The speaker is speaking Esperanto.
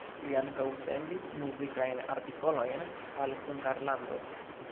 Li ankaŭ sendis muzikajn artikolojn al Hungarlando.